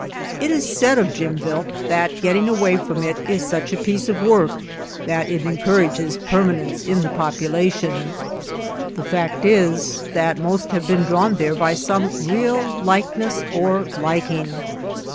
It is said of Jimville that getting away from it is such a piece of work that it encourages permanence in the population ; the fact is that most have been drawn there by some real likeness or liking.